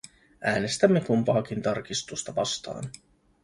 Äänestämme kumpaakin tarkistusta vastaan.